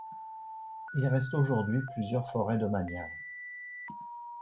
Il reste aujourd'hui plusieurs forêts domaniales.